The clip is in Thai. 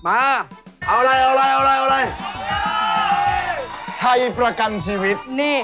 ไทยประกันชีวิต